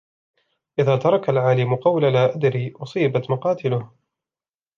إذَا تَرَكَ الْعَالِمُ قَوْلَ لَا أَدْرِي أُصِيبَتْ مَقَاتِلُهُ